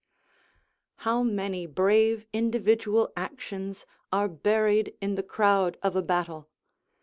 How many brave individual actions are buried in the crowd of a battle?